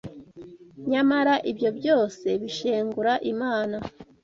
Nyamara, ibyo byose bishengura Imana